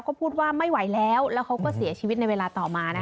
ก็พูดว่าไม่ไหวแล้วแล้วเขาก็เสียชีวิตในเวลาต่อมานะคะ